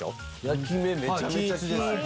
焼き目めちゃめちゃ均一。